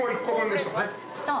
そう。